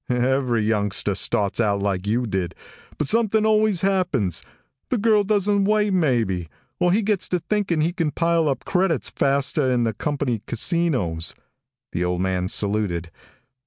"Every youngster starts out like you did, but something always happens. The girl doesn't wait, maybe. Or he gets to thinking he can pile up credits faster in the company casinos." The old man saluted.